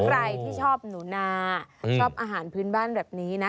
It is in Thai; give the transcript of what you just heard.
ใครที่ชอบหนูนาชอบอาหารพื้นบ้านแบบนี้นะ